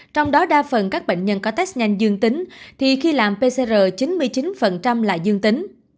trong đó đa phần các bệnh nhân có test nhanh dương tính thì khi làm pcr chín mươi chín là dương tính